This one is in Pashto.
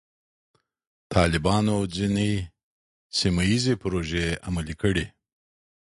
طالبانو ځینې سیمه ییزې پروژې عملي کړې.